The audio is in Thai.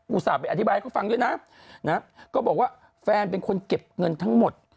ส่าห์ไปอธิบายให้เขาฟังด้วยนะก็บอกว่าแฟนเป็นคนเก็บเงินทั้งหมด